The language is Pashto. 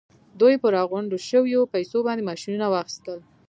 دوی په راغونډو شويو پیسو باندې ماشينونه واخيستل.